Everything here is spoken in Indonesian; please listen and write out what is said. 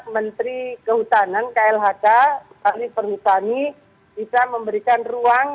menteri kehutanan klhk pak rief pernusani bisa memberikan ruang